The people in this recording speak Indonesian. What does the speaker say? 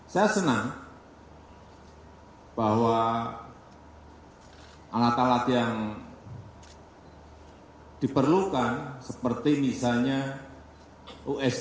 saya senang bahwa alat alat yang diperlukan seperti misalnya usd